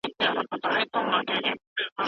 آیا ته خپل درسي پلان لرې؟